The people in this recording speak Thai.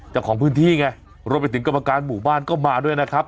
เจ้าของพื้นที่ไงรวมไปถึงกรรมการหมู่บ้านก็มาด้วยนะครับ